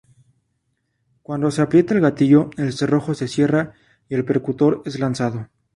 Cuando se aprieta el gatillo, el cerrojo se cierra y el percutor es lanzado.